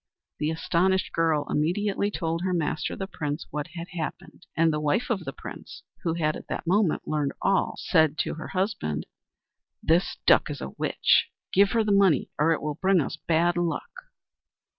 The astonished girl immediately told her master, the Prince, what had happened, and the wife of the Prince, who had at that moment learned all, said to her husband: "This Duck is a witch. Give her the money, or it will bring us bad luck."